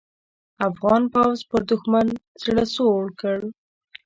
افغان پوځ پر دوښمن زړه سوړ کړ.